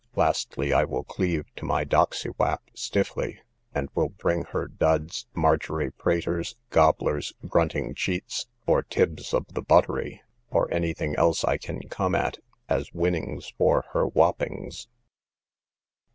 Lastly, I will cleave to my doxy wap stiffly, and will bring her duds, margery praters, goblers, grunting cheats, or tibs of the buttery, or any thing else I can come at, as winnings for her wappings.